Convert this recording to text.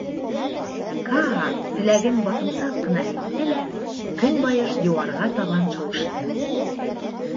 — Каа теләген баҫымсаҡ ҡына әйтте лә көнбайыш диуарға табан шыуышты.